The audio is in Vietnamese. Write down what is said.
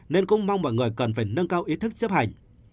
nên cũng mong mọi người cần phải nâng cao ý thức chấp hành